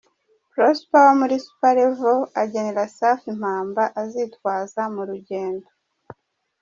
Prosper wo muri Supel Level agenera Safi impamba azitwaza mu rugendo.